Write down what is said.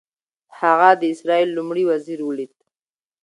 هغه د اسرائیلو لومړي وزیر ولید.